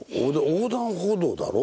横断歩道だろ？